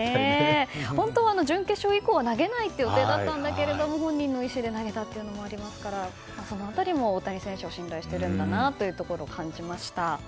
本当は準決勝以降は投げない予定だったんだけれども本人の意思で投げたということもありますからその辺りも大谷選手を信頼しているんだなと感じました。